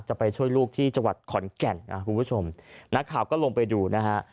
จะไปช่วยลูกที่จังหวัดขอนแก่นคุณผู้ชมนักข่าวก็ลงไปดูนะฮะ